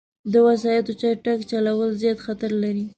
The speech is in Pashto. د وسايطو چټک چلول، زیاد خطر لري